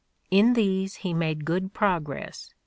In these he made good progress.